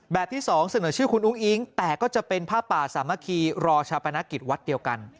ที่๒เสนอชื่อคุณอุ้งอิ๊งแต่ก็จะเป็นผ้าป่าสามัคคีรอชาปนกิจวัดเดียวกัน